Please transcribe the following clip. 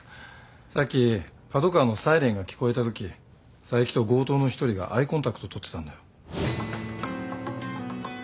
さっきパトカーのサイレンが聞こえたとき佐伯と強盗の一人がアイコンタクトとってたんだよ。